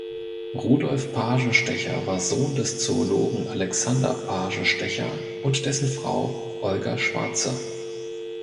Rudolf Pagenstecher war Sohn des Zoologen Alexander Pagenstecher und dessen Frau Olga Schwartze.